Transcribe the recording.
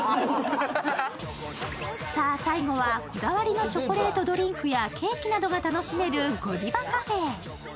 さあ最後はこだわりのチョコレートドリンクやケーキなどが楽しめるＧＯＤＩＶＡｃａｆｅへ。